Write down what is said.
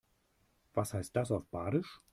Was heißt das auf Badisch?